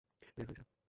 বের হয়ে যা!